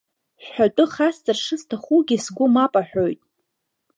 Шәҳәатәы хасҵар шысҭахугьы, сгәы мап аҳәоит.